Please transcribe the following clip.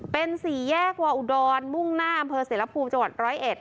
เป็นสี่แยกวาอุดรมุ่งหน้าอำเภอเสรภูมิจังหวัดร้อยเอ็ด